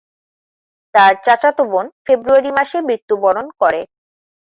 তার চাচাতো বোন ফেব্রুয়ারি মাসে মৃত্যুবরণ করে।